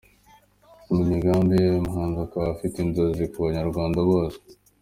Mu migambi ye uyu muhanzi akaba afite inzozi ku banyarwanda bose.